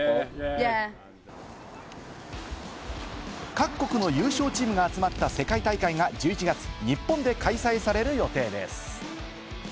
各国の優勝チームが集まった世界大会が１１月、日本で開催される予定です。